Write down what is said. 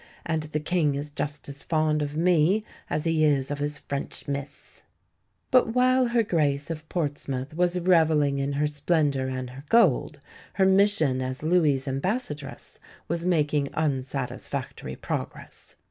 And the King is just as fond of me as he is of his French miss." But while Her Grace of Portsmouth was revelling in her splendour and her gold, her mission as Louis's Ambassadress was making unsatisfactory progress.